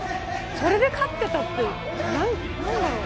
それで勝ってたって何だろう？」